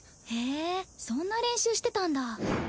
へえそんな練習してたんだ。